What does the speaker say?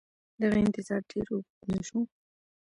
دغه انتظار ډېر اوږد نه شو.